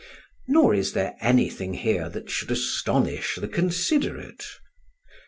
Nor is there anything here that should astonish the considerate.